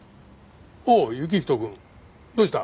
おお行人くんどうした？